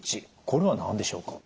これは何でしょうか？